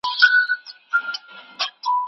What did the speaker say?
هر غړی خپل رول لري.